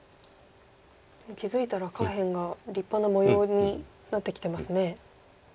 気付いたら下辺が立派な模様になってきてますね。